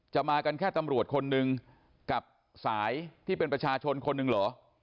มากันแค่ตำรวจคนหนึ่งกับสายที่เป็นประชาชนคนหนึ่งเหรอ